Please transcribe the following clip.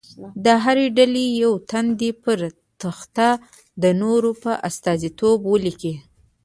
د هرې ډلې یو تن دې پر تخته د نورو په استازیتوب ولیکي.